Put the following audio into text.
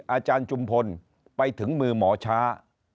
อาจารย์จุมพลไปถึงมือหมอช้า